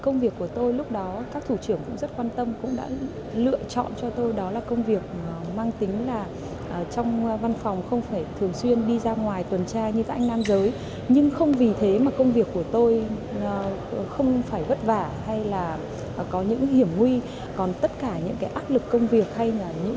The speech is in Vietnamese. nếu như là có những hiểm nguy còn tất cả những ác lực công việc hay là những khó khăn phải vượt qua thì chúng tôi đều phải vượt qua như các anh nam giới